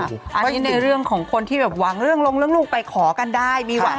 อันนี้ในเรื่องของคนที่แบบหวังเรื่องลงเรื่องลูกไปขอกันได้มีหวัง